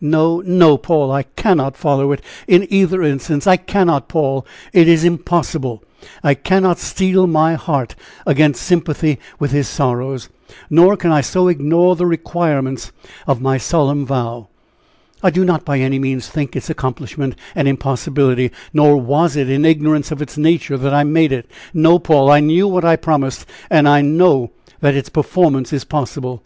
"No, no, Paul! I cannot follow it in either instance! I cannot, Paul! it is impossible! I cannot steel my heart against sympathy with his sorrows, nor can I so ignore the requirements of my solemn vow. I do not by any means think its accomplishment an impossibility, nor was it in ignorance of its nature that I made it. No, Paul! I knew what I promised, and I know that its performance is possible.